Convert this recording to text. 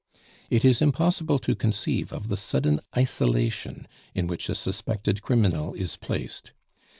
It is impossible to conceive of the sudden isolation in which a suspected criminal is placed.